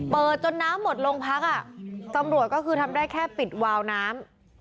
เปิดจนน้ำหมดโรงพักอ่ะตำรวจก็คือทำได้แค่ปิดวาวน้ำ